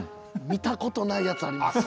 見たことないやつあります。